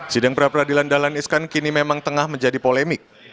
sidang pra peradilan dahlan iskan kini memang tengah menjadi polemik